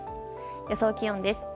予想気温です。